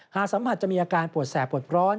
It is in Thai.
สัมผัสจะมีอาการปวดแสบปวดร้อน